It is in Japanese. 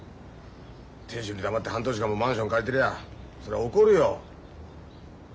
亭主に黙って半年間もマンション借りてりゃあそりゃ怒るよ。